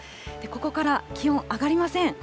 ここから気温上がりません。